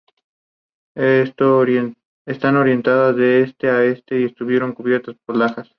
Llegó a ser una de las publicaciones ilustradas más famosas de la capital malagueña.